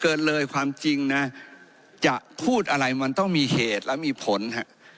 เกินเลยความจริงนะจะพูดอะไรมันต้องมีเหตุและมีผลฮะ